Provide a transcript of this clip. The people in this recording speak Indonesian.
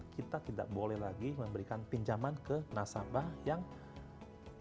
kita tidak boleh lagi memberikan pinjaman ke nasabah yang cold related